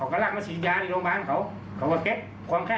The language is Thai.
แล้วก็ล้อไว้ฟังว่าเคยถูกหมาตัวนี้กัดมาสองครั้งแล้ว